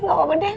gak apa apa deh